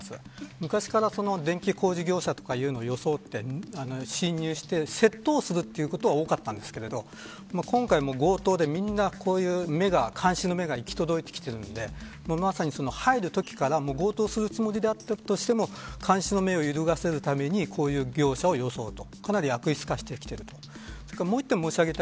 昔から電気工事業者とかいうのを装って侵入して窃盗をするということは多かったんですけど今回も強盗でみんな目が、監視の目が行き届いているのでまさに入るときから強盗するつもりであっても監視の目を揺るがせるためにこういう業者を装うと。